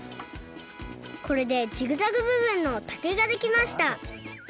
これでジグザグ部分の竹ができました。